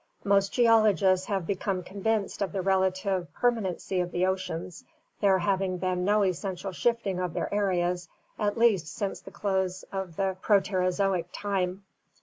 Most geologists have become convinced of the relative permanency of the oceans, there having been no essential shifting of their areas, at least since the close of Proterozoic time.